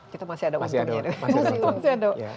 kita masih ada untungnya